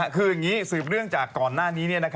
คืออย่างนี้สืบเนื่องจากก่อนหน้านี้